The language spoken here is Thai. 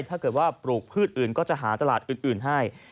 ถ้าเกิดว่าปลูกพืชอื่นก็จะหาตลาดอื่นให้